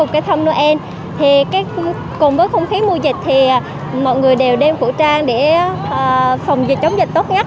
cây thông noel thì cùng với không khí mùa dịch thì mọi người đều đeo khẩu trang để phòng dịch chống dịch tốt nhất